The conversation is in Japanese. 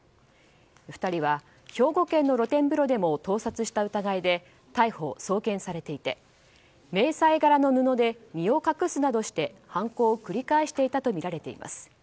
２人は兵庫県の露天風呂でも盗撮した疑いで逮捕・送検されていて迷彩柄の布で身を隠すなどして犯行を繰り返していたとみられています。